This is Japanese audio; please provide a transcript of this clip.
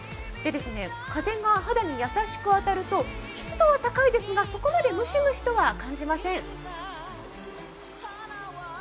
風が肌に優しく当たると湿度は高いですがそこまでムシムシとは感じません。